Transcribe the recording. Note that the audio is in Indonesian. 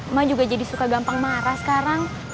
emak juga jadi suka gampang marah sekarang